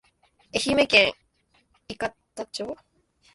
愛媛県伊方町